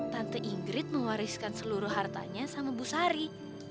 tante ingrid mewariskan seluruh hartanya sama bu sari